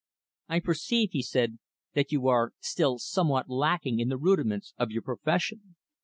"I perceive," he said, "that you are still somewhat lacking in the rudiments of your profession.